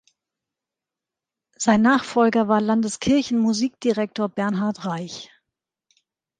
Sein Nachfolger war Landeskirchenmusikdirektor Bernhard Reich.